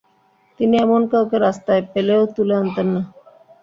তিনি এমন কাউকে রাস্তায় পেলেও তুলে আনতেন না।